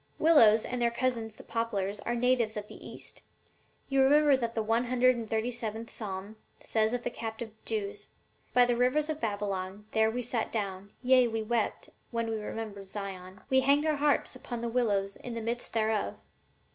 Willows and their cousins the poplars are natives of the East; you remember that the one hundred and thirty seventh psalm says of the captive Jews, 'By the rivers of Babylon, there we sat down, yea, we wept, when we remembered Zion. We hanged our harps upon the willows in the midst thereof.'